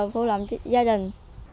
phụ lòng gia đình